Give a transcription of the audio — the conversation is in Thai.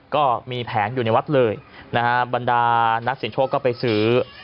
ก็มีแผงอยู่ในวัดเลยนะฮะบรรดานักเสียงโชคก็ไปซื้อ